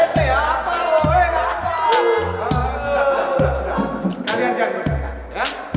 kalian jangan berdekatan